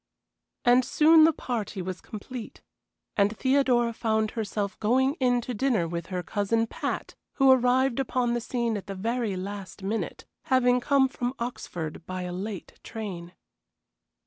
And soon the party was complete, and Theodora found herself going in to dinner with her cousin Pat, who arrived upon the scene at the very last minute, having come from Oxford by a late train.